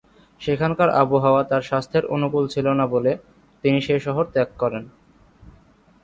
সেখানকার আবহাওয়া তাঁর স্বাস্থ্যের অনুকূল ছিল না বলে তিনি সে শহর ত্যাগ করেন।